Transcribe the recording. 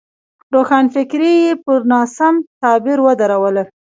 روښانفکري یې پر ناسم تعبیر ودروله.